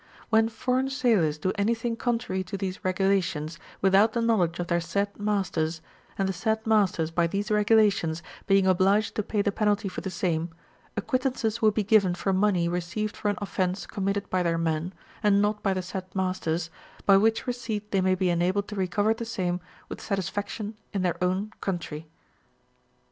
When foreign sailors do any thing contrary to these Regidations, without the know ledge of the said masters, and the said masters, by these Regulations, being obliged to pay the penalty for the same, acquittances will be given for money received for an offence committed by their men, and not by the said masters, by which receipt tjiey may be enabled to recover the same with satisfaction in their own country.